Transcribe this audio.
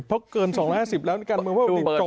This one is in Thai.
เพราะเกิน๒๕๐แล้วในการเมืองปกติจบ